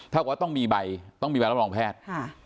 เท่ากับว่าต้องมีใบรับรองแพทย์